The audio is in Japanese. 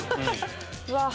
うわ！